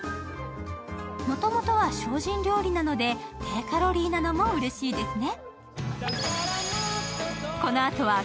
もともとが精進料理なので低カロリーなのもうれしいですね。